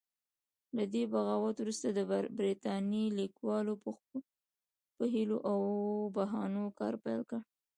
له دې بغاوت وروسته د برتانیې لیکوالو په حیلو او بهانو کار پیل کړ.